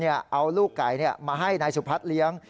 เอาลูกไก่มาให้นายสุพัฒน์เลี้ยง